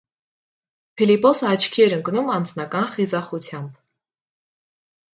Փիլիպոսը աչքի էր ընկնում անձնական խիզախությամբ։